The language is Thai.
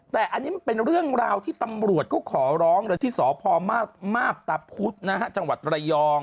แต่อันนี้มันเป็นเรื่องราวที่ตำรวจเขาขอร้องเลยที่สพมาพตะพุธจังหวัดระยอง